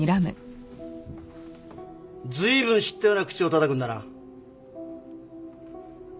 ずいぶん知ったような口をたたくんだな。